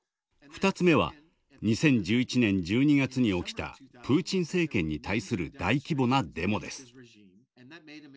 ２つ目は２０１１年１２月に起きたプーチン政権に対する大規模なデモです。